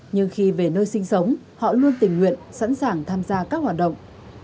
nhưng khi về nơi sinh sống họ luôn tình nguyện sẵn sàng tham gia các hoạt động